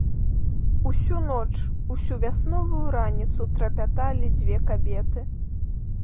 Усю ноч, усю вясновую раніцу трапяталі дзве кабеты.